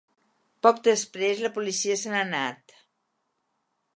Poc després, la policia se n’ha anat.